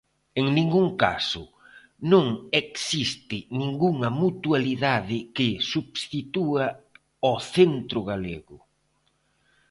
En ningún caso, non existe ningunha mutualidade que substitúa ao Centro Galego.